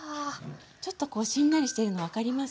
ちょっとこうしんなりしているの分かりますかね？